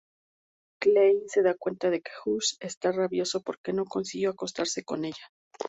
Klein se da cuenta que Hughes esta rabioso porque no consiguió acostarse con ella.